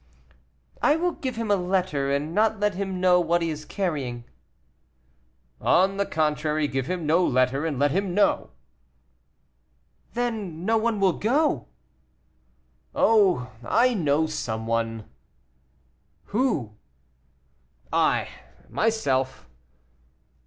"I will give him a letter, and not let him know what he is carrying." "On the contrary, give him no letter, and let him know." "Then no one will go." "Oh! I know some one." "Who?" "I, myself."